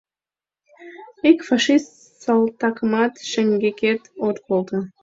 Ик фашист салтакымат шеҥгекет от колто.